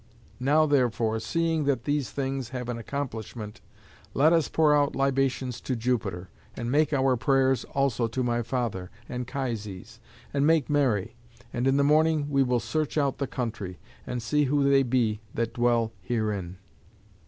Now, therefore, seeing that these things have an accomplishment, let us pour out libations to Jupiter, and make our prayers also to my father, Anchises, and make merry. And in the morning we will search out the country, and see who they be that dwell herein."